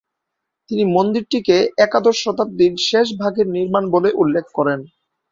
তিনি মন্দিরটিকে একাদশ শতাব্দীর শেষভাগের নির্মাণ বলে উল্লেখ করেন।